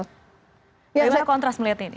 gimana kontras melihatnya ini